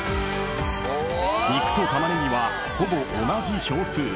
［肉とたまねぎはほぼ同じ票数］